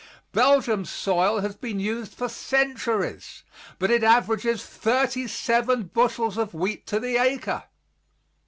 Belgium's soil has been used for centuries, but it averages thirty seven bushels of wheat to the acre.